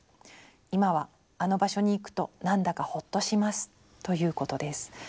今はあの場所に行くと何だかほっとします」ということです。